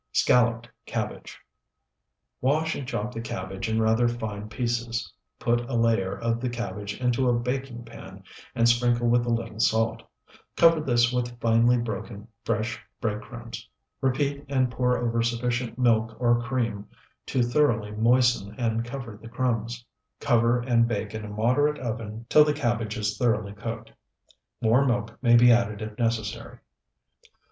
SCALLOPED CABBAGE Wash and chop the cabbage in rather fine pieces. Put a layer of the cabbage into a baking pan and sprinkle with a little salt. Cover this with finely broken, fresh bread crumbs, repeat and pour over sufficient milk or cream to thoroughly moisten and cover the crumbs. Cover and bake in a moderate oven till the cabbage is thoroughly cooked. More milk may be added if necessary.